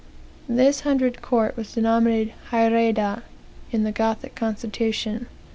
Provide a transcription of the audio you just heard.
This hundred court was denominated haereda in the Gothic constitution.